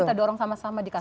kita dorong sama sama dikasasi